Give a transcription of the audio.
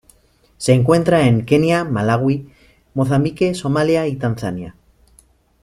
Se encuentra en Kenia, Malaui, Mozambique, Somalia y Tanzania.